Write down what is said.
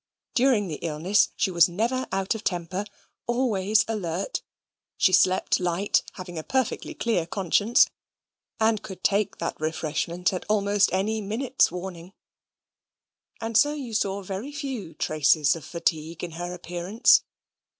During the illness she was never out of temper; always alert; she slept light, having a perfectly clear conscience; and could take that refreshment at almost any minute's warning. And so you saw very few traces of fatigue in her appearance.